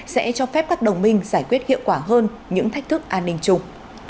sẽ cho phép các đồng minh giải quyết hiệu quả hơn những thách thức an ninh chung